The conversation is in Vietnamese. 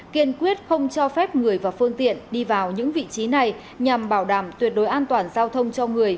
kiên quyết không cho phép người và phương tiện đi vào những vị trí này nhằm bảo đảm tuyệt đối an toàn giao thông cho người